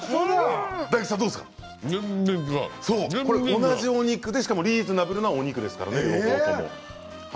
これ同じお肉でしかもリーズナブルなお肉ですからね